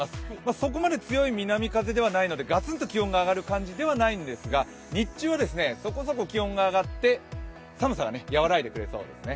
そこまで強い南風ではないのでガツンと気温が上がる感じではないんですが日中はそこそこ気温が上がって寒さはやわらいでくれそうですね。